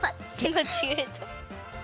まちがえた。